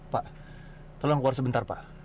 pak tolong keluar sebentar pak